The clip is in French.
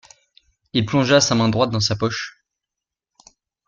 Il plongea sa main droite dans sa poche.